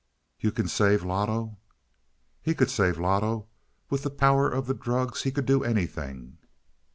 You can save Loto?" He could save Loto! With the power of the drugs he could do anything!